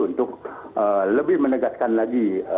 untuk lebih menegaskan lagi